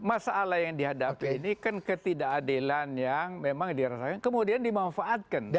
masalah yang dihadapi ini kan ketidakadilan yang memang dirasakan kemudian dimanfaatkan